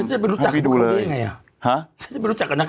จะไปรู้จักกับเขาด้วยยังไงอ่ะจะไปรู้จักกันนะ